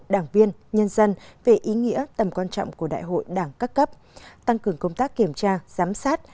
đảng viên nhân dân về ý nghĩa tầm quan trọng của đại hội đảng các cấp tăng cường công tác kiểm tra giám sát